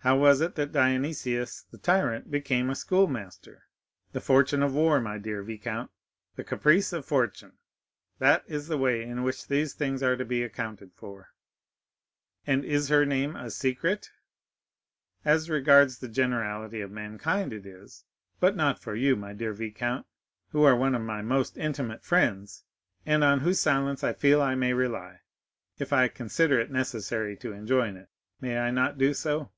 "How was it that Dionysius the Tyrant became a schoolmaster? The fortune of war, my dear viscount,—the caprice of fortune; that is the way in which these things are to be accounted for." "And is her name a secret?" "As regards the generality of mankind it is; but not for you, my dear viscount, who are one of my most intimate friends, and on whose silence I feel I may rely, if I consider it necessary to enjoin it—may I not do so?"